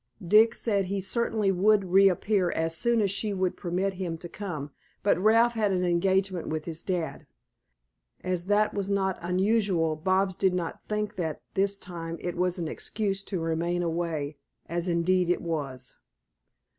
Dick said he certainly would reappear as soon as she would permit him to come, but Ralph had an engagement with his Dad. As that was not unusual, Bobs did not think that this time it was an excuse to remain away, as indeed it was.